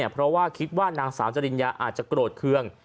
เพราะว่าคิดว่านางสาวจริญญาอาจจะโกรธเครื่อง